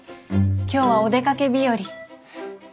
今日はお出かけ日和。